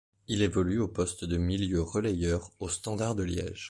Il évolue au poste de milieu relayeur au Standard de Liège.